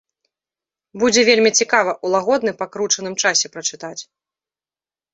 Будзе вельмі цікава ў лагодны па кручаным часе прачытаць.